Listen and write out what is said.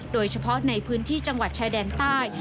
โดยเฉพาะในพื้นที่จังหวัดชายแดนใต้